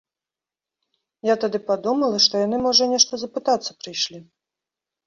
Я тады падумала, што яны, можа, нешта запытацца прыйшлі.